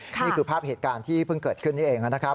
นี่คือภาพเหตุการณ์ที่เพิ่งเกิดขึ้นนี่เองนะครับ